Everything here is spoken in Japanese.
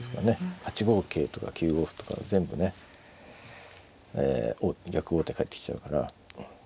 ８五桂とか９五歩とか全部ね逆王手返ってきちゃうから。